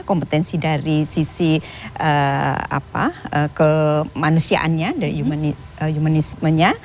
kompetensi dari sisi kemanusiaannya dari humanismenya